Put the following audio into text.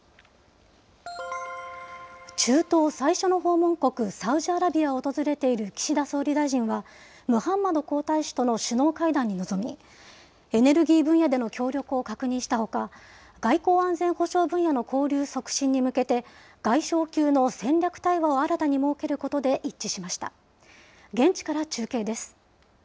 中東最初の訪問国、サウジアラビアを訪れている岸田総理大臣は、ムハンマド皇太子との首脳会談に臨み、エネルギー分野での協力を確認したほか、外交安全保障分野の交流促進に向けて、外相級の戦略対話を新たに設けることで一致しました。